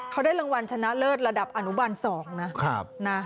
เขาได้รางวัลชนะเลิศระดับอนุบัน๒นะ